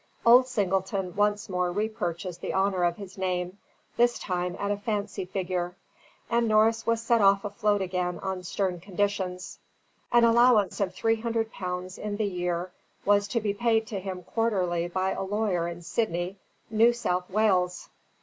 Old Singleton once more repurchased the honour of his name, this time at a fancy figure; and Norris was set afloat again on stern conditions. An allowance of three hundred pounds in the year was to be paid to him quarterly by a lawyer in Sydney, New South Wales.